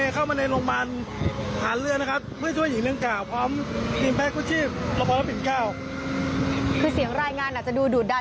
คือเสียงรายงานอาจจะดูดูดดัน